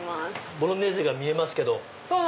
ボロネーゼが見えますけど。